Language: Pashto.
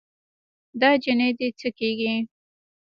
دا نجلۍ دې څه کيږي؟